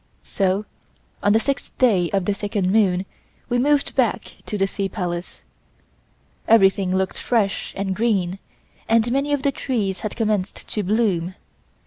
So on the sixth day of the second moon we moved back to the Sea Palace. Everything looked fresh and green and many of the trees had commenced to blossom.